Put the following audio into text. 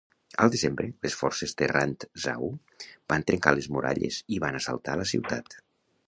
Al desembre, les forces de Rantzau van trencar les muralles i van assaltar la ciutat.